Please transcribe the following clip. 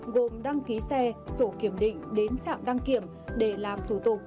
gồm đăng ký xe sổ kiểm định đến trạm đăng kiểm để làm thủ tục